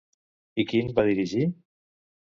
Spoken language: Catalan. I quin va dirigir?